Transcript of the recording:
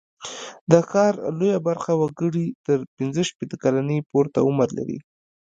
د ښار لویه برخه وګړي تر پینځه شپېته کلنۍ پورته عمر لري.